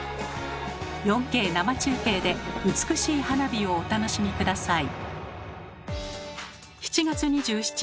４Ｋ生中継で美しい花火をお楽しみ下さい。